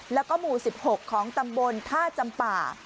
แล้วก็หมู่๑๖ของตำบลท่าจำป่า